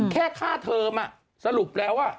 แค่ค่าเทอมสรุปแล้ว